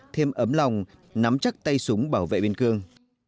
thêm ấm lòng nắm chắc tay súng bảo vệ biên cương